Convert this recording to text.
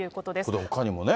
このほかにもね。